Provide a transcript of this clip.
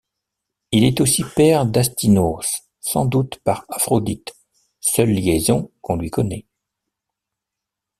Il est aussi père d'Astynoos, sans doute par Aphrodite, seule liaison qu'on lui connait.